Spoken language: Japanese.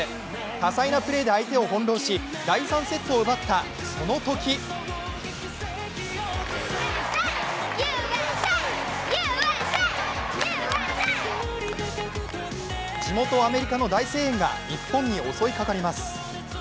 多彩なプレーで相手を翻弄し第３セットを奪ったそのとき地元アメリカの大声援が日本に襲いかかります。